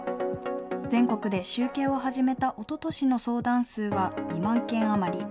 全国で集計を始めたおととしの相談数は２万件余り。